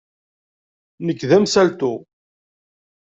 Nekk d amsaltu.